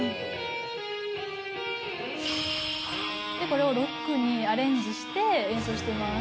「これをロックにアレンジして演奏してます」